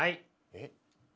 えっ？